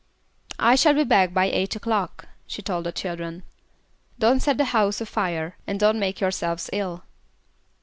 "I shall be back by eight o'clock," she told the children. "Don't set the house afire, and don't make yourselves ill."